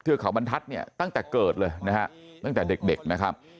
เทือกเขาบรรทัดตั้งแต่เกิดเลยนะครับตั้งแต่เด็กนะครับ